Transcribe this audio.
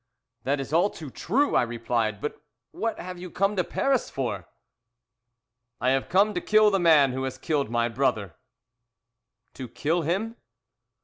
that is all too true," I replied; "but what have you come to Paris for?" "I have come to kill the man who has killed my brother." "To kill him?"